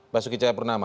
basuki cahaya purnama